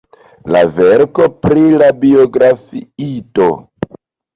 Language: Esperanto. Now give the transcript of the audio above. la verkoj pri la biografiito.